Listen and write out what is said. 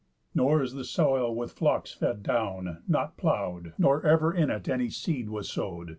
Nor is the soil with flocks fed down, not plow'd, Nor ever in it any seed was sow'd.